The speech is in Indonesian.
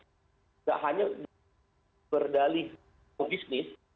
tidak hanya berdalih ke bisnis